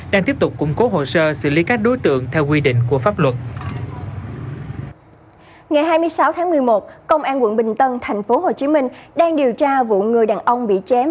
đang điều tra vụ người đàn ông bị chém